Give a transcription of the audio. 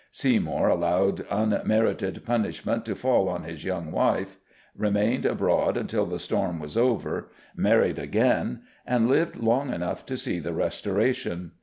Seymour allowed unmerited punishment to fall on his young wife, remained abroad until the storm was over, married again, and lived long enough to see the Restoration.